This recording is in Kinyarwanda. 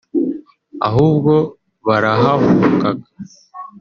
ahubwo barahahungaga